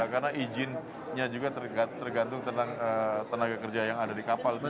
karena ijinnya juga tergantung tentang tenaga kerja yang ada di kapal